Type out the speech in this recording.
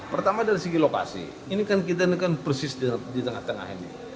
pertama dari segi lokasi ini kan kita ini kan persis di tengah tengah ini